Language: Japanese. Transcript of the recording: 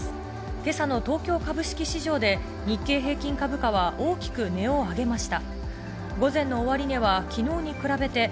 今朝の東京株式市場で日経平均株価は大きく値を上げました。